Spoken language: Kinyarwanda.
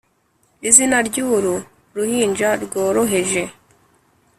Izina ry’uru ruhinja rworoheje